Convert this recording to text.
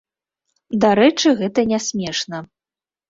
Дарэчы, гэта не смешна.